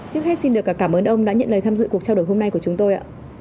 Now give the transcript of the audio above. trước hết xin được cảm ơn ông đã nhận lời tham dự cuộc trao đổi hôm nay của chúng tôi ạ